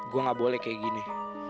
gue gak boleh kayak gini